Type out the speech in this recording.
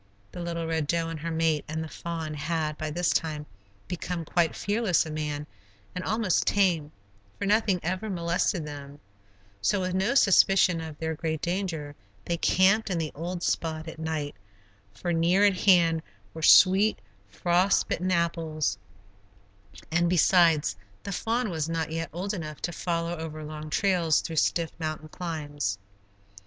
The little Red Doe and her mate, and the fawn, had, by this time, become quite fearless of man, and almost tame, for nothing ever molested them; so, with no suspicion of their great danger, they camped in the old spot at night, for near at hand were sweet, frost bitten apples, and besides, the fawn was not yet old enough to follow over long trails through stiff mountain climbs.